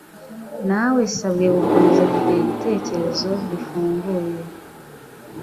Nawesabye gukomeza kugira ibitekerezo bifunguye.